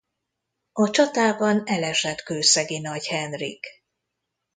A csatában elesett Kőszegi Nagy Henrik.